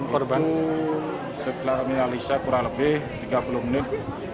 perubahan itu setelah menyalisai kurang lebih tiga puluh menit